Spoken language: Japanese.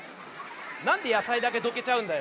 なんでやさいだけどけちゃうんだよ。